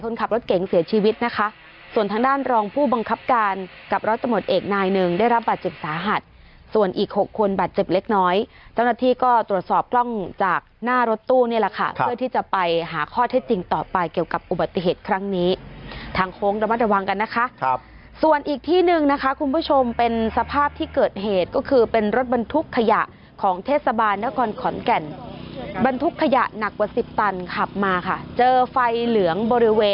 คนขับรถเก่งเสียชีวิตนะคะส่วนทางด้านรองผู้บังคับการกับรถตะหมดเอกนายหนึ่งได้รับบัตรเจ็บสาหัสส่วนอีก๖คนบัตรเจ็บเล็กน้อยเจ้าหน้าที่ก็ตรวจสอบกล้องจากหน้ารถตู้นี่แหละค่ะเพื่อที่จะไปหาข้อเท็จจริงต่อไปเกี่ยวกับอุบัติเหตุครั้งนี้ทางโค้งระมัดระวังกันนะคะครับส่วนอีกที่นึงนะคะคุณผ